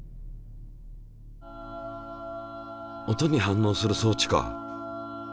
音に反応する装置か。